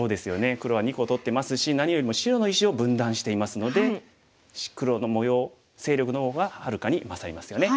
黒は２個取ってますし何よりも白の石を分断していますので黒の模様勢力の方がはるかに勝りますよね。